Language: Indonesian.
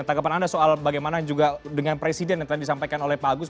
tanggapan anda soal bagaimana juga dengan presiden yang tadi disampaikan oleh pak agus